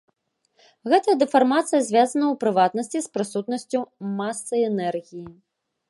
Гэтая дэфармацыя звязана, у прыватнасці, з прысутнасцю масы-энергіі.